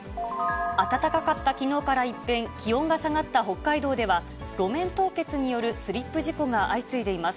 暖かかったきのうから一変、気温が下がった北海道では、路面凍結によるスリップ事故が相次いでいます。